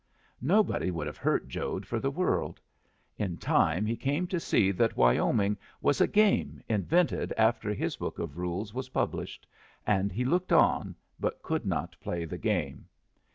Nobody would have hurt Jode for the world. In time he came to see that Wyoming was a game invented after his book of rules was published, and he looked on, but could not play the game.